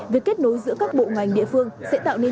việc kết nối giữa các bộ ngành địa phương sẽ tạo nên